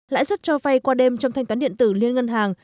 lãi suất cho vay qua đêm trong thanh toán điện tử liên ngân hàng